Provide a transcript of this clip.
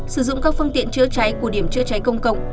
sử dụng các phương tiện chữa cháy của điểm chữa cháy công cộng